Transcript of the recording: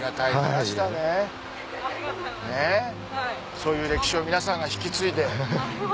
そういう歴史を皆さんが引き継いで。